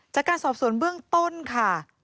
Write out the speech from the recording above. จากการสอบสวนเบื้องต้นค่ะ